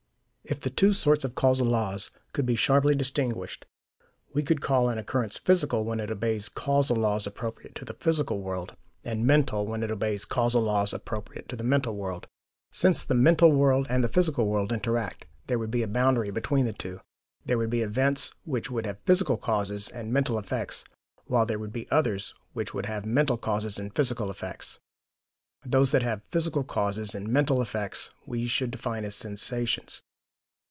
If the two sorts of causal laws could be sharply distinguished, we could call an occurrence "physical" when it obeys causal laws appropriate to the physical world, and "mental" when it obeys causal laws appropriate to the mental world. Since the mental world and the physical world interact, there would be a boundary between the two: there would be events which would have physical causes and mental effects, while there would be others which would have mental causes and physical effects. Those that have physical causes and mental effects we should define as "sensations."